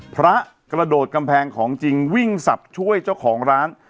พระกระโดดกำแพงของจริงวิ่งสับช่วยเจ้าของร้าน